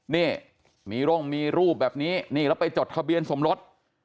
นี่มีร่มมีรูปแบบนี้นี่แล้วไปจดทะเบียนสมรส